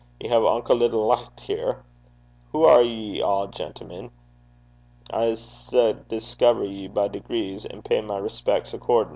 'Ye hae unco little licht here! Hoo are ye a', gentlemen? I s' discover ye by degrees, and pay my respecks accordin'.'